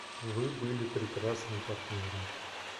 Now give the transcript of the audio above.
Вы были прекрасным партнером.